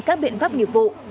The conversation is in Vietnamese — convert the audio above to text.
các biện pháp nghiệp vụ